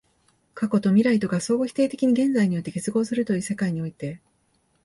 過去と未来とが相互否定的に現在において結合するという世界において、